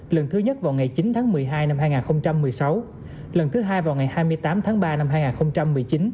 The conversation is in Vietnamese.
lần thứ nhất vào ngày chín tháng một mươi hai năm hai nghìn một mươi sáu lần thứ hai vào ngày hai mươi tám tháng ba năm hai nghìn một mươi chín